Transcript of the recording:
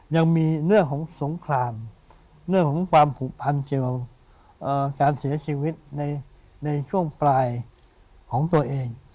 ยังมีเรื่องของสงครามเรื่องของความผูกพันเกี่ยวกับการเสียชีวิตในช่วงปลายของตัวเอง